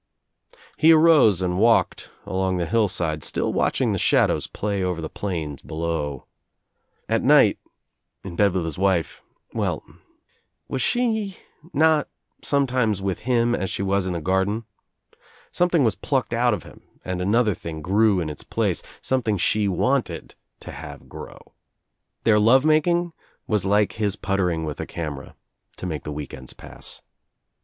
He arose and walked along the hillside, still watch ing the shadows play over the plains below. At night — in bed with his wife — well, was she not sometimes with him as she was in the garden? Something was plucked out of him and another thing grew in its place — something she wanted to have grow. Their love making was like his puttering with a camera — to make the the weekends pass.